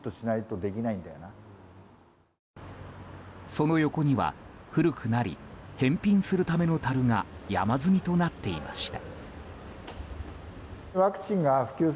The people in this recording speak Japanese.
その横には古くなり返品するためのたるが山積みとなっていました。